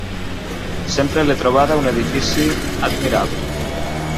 Sempre l'he trobada un edifici admirable.